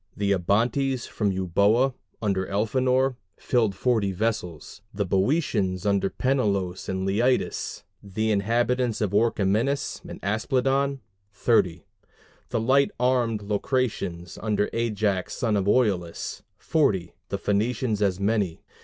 The Abantes from Euboea, under Elphenor, filled 40 vessels; the Boeotians, under Peneleos and Leitus, 50; the inhabitants of Orchomenus and Aspledon, 30; the light armed Locrians, under Ajax son of Oileus, 40; the Phocians as many.